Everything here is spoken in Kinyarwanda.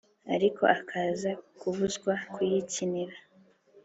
ariko akaza kubuzwa kuyikinira